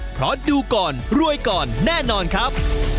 เพราะดูก่อนรวยก่อนแน่นอนครับ